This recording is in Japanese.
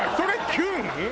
キュン。